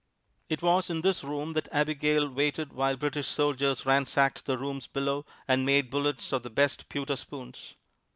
It was in this room that Abigail waited while British soldiers ransacked the rooms below and made bullets of the best pewter spoons.